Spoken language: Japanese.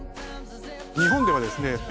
日本ではですね